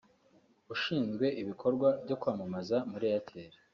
Ushinzwe ibikorwa byo kwamamaza muri Airtel